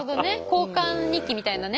交換日記みたいなね。